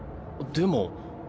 でも。